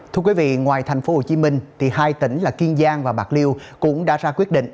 thưa quý vị ngoài thành phố hồ chí minh thì hai tỉnh là kiên giang và bạc liêu cũng đã ra quyết định